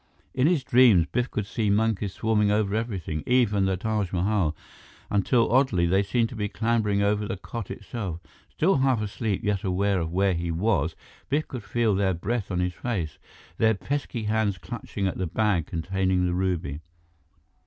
In his dreams, Biff could see monkeys swarming over everything, even the Taj Mahal, until oddly, they seemed to be clambering over the cot itself. Still half asleep, yet aware of where he was, Biff could feel their breath on his face, their pesky hands clutching at the bag containing the ruby.